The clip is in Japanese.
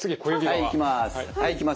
はいいきます